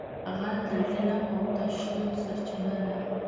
غل د ظلم او تشدد سرچینه ده